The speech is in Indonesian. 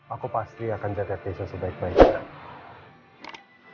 aku pasti akan jaga keisha sebaik baik